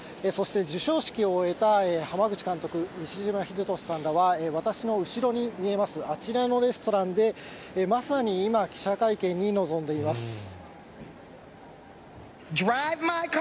そして授賞式を終えた濱口監督、西島秀俊さんらは、私の後ろに見えます、あちらのレストランで、まさに今、記者会見に臨んでいます。